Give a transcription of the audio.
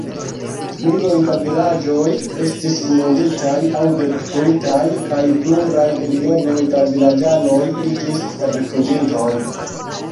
Miloj da vilaĝoj estis inunditaj aŭ detruitaj kaj pluraj milionoj da vilaĝanoj iĝis rifuĝintoj.